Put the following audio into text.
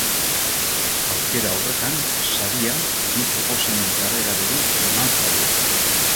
Aukera horretan saria bi proposamen paregaberi eman zaie.